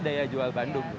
daya jual bandung